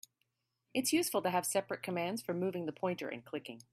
It's useful to have separate commands for moving the pointer and clicking.